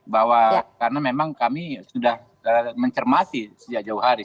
bahwa karena memang kami sudah mencermati sejak jauh hari